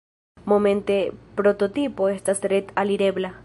Momente prototipo estas ret-alirebla.